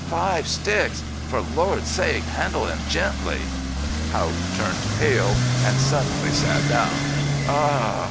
Five sticks! For Lord's sake handle him gently!" Haught turned pale and suddenly sat down. "Ahuh!"